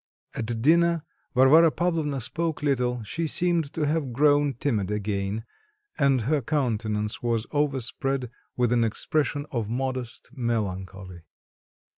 At dinner Varvara Pavlovna spoke little; she seemed to have grown timid again, and her countenance was overspread with an expression of modest melancholy.